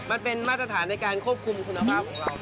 มันเป็นมาตรฐานในการควบคุมคุณภาพของเรา